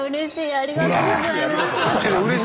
ありがとうございます。